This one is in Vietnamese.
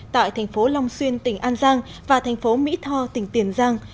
tại thành phố long xuyên tỉnh an giang và thành phố mỹ tho tỉnh tiền giang